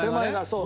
そう。